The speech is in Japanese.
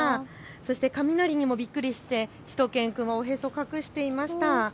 そして雷にもびっくりしてしゅと犬くんはおへそ、隠していました。